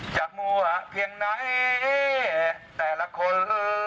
มั่วเพียงไหนแต่ละคน